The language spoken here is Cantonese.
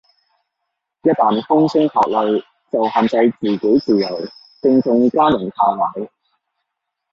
一但風聲鶴唳就限制自己自由，正中奸人下懷